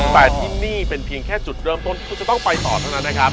แต่ที่นี่เป็นเพียงแค่จุดเริ่มต้นที่คุณจะต้องไปต่อเท่านั้นนะครับ